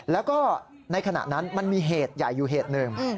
แล้วก็ในขณะนั้นมันมีเหตุใหญ่อยู่เหตุหนึ่ง